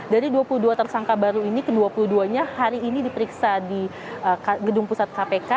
dari dua puluh dua tersangka baru ini ke dua puluh duanya hari ini diperiksa di gedung pusat kpk